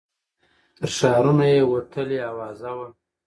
تر ښارونو یې وتلې آوازه وه